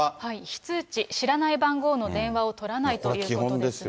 非通知、知らない番号の電話を取らないということですね。